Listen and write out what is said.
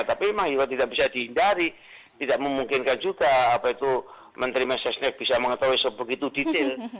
tapi memang juga tidak bisa dihindari tidak memungkinkan juga apa itu menteri mesesnek bisa mengetahui sebegitu detail